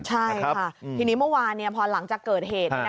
ใช่ค่ะทีนี้เมื่อวานพอหลังจากเกิดเหตุ